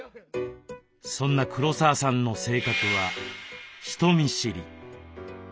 そんな黒沢さんの性格は人見知り。